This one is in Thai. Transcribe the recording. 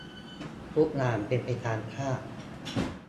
ทุกอย่างเป็นไปตามคาด